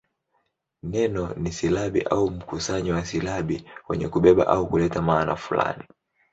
Neno ni silabi au mkusanyo wa silabi wenye kubeba au kuleta maana fulani.